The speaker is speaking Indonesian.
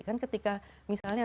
kan ketika misalnya